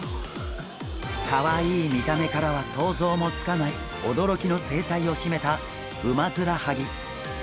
かわいい見た目からは想像もつかない驚きの生態を秘めたウマヅラハギ。